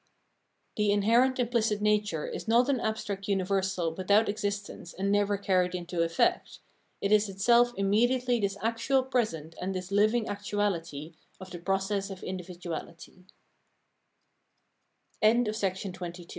The inherent imphcit nature is not an abstract universal without exist ence and never carried into effect ; it is itself immediately this actual present and this hving actuality of the pro cess of i